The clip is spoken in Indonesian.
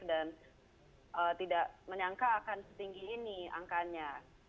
dan tidak menyangka akan setinggi ini angkanya